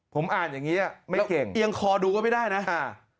ผมอ่านอย่างนี้ไม่เก่งเอียงคอดูก็ไม่ได้นะอ่า